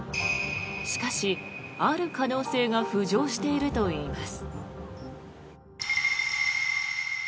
しかし、ある可能性が浮上しているといいます。